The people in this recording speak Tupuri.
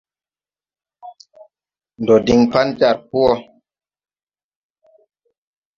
Ndo diŋ pan jar po wɔ.